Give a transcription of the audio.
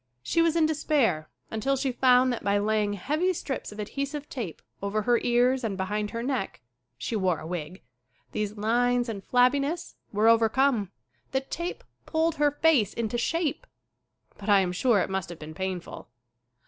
She was in despair until she found that by laying heavy strips of adhesive tape over her ears and behind her neck she wore a wig these lines and flabbiness were overcome. The 58 SCREEN ACTING tape pulled her face into shape! But, I am sure it must have been painful.